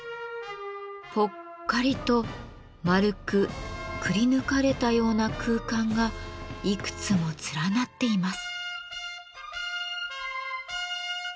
ぽっかりと丸くくりぬかれたような空間がいくつも連なっています。